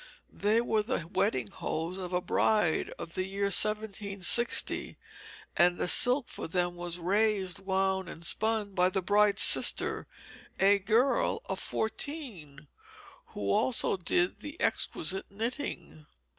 They were the wedding hose of a bride of the year 1760; and the silk for them was raised, wound, and spun by the bride's sister, a girl of fourteen, who also did the exquisite knitting.